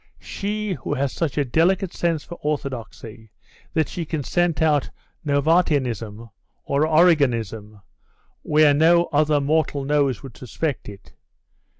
She, who has such a delicate sense for orthodoxy, that she can scent out Novatianism or Origenism where no other mortal nose would suspect it.